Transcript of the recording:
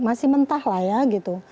masih mentah lah ya gitu